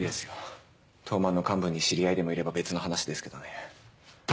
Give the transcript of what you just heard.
東卍の幹部に知り合いでもいれば別の話ですけどね。